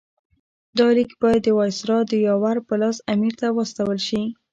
دا لیک باید د وایسرا د یاور په لاس امیر ته واستول شي.